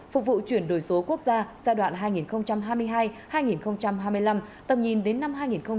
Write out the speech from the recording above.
phục vụ chuyển đổi số quốc gia giai đoạn hai nghìn hai mươi hai hai nghìn hai mươi năm tầm nhìn đến năm hai nghìn ba mươi